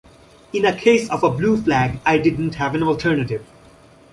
In a case of a blue flag I didn't have an alternative.